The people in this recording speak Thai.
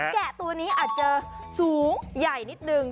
แกะตัวนี้อาจจะสูงใหญ่นิดนึง